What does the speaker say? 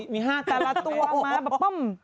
มี๕ตลาตัวมาปุ้ม